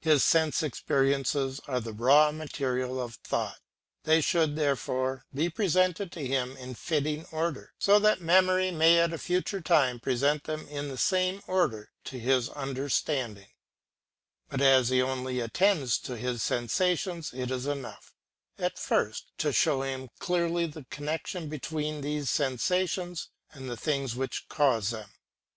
His sense experiences are the raw material of thought; they should, therefore, be presented to him in fitting order, so that memory may at a future time present them in the same order to his understanding; but as he only attends to his sensations it is enough, at first, to show him clearly the connection between these sensations and the things which cause them.